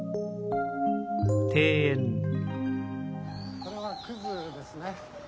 これは葛ですね。